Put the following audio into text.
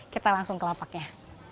kita langsung kelapaknya